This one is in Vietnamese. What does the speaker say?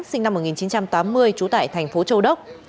sinh năm một nghìn chín trăm tám mươi trú tại thành phố châu đốc